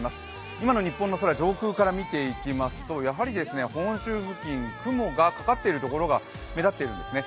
今の日本の空、上空から見てきますと本州付近、雲がかかっているところが目立っているんですね。